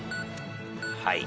はい。